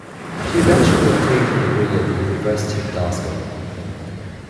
She eventually obtained her degree at the University of Glasgow.